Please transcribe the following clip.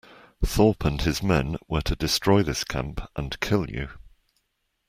Thorpe and his men were to destroy this camp, and kill you.